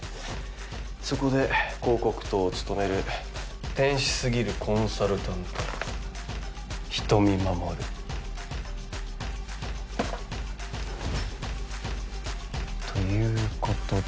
そこで広告塔を務める天使すぎるコンサルタント人見まもるということで